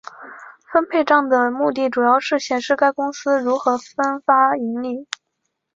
分配帐的目的主要是显示该公司如何分发盈利。